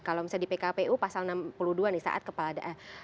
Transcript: kalau misalnya di pkpu pasal enam puluh dua nih saat kepala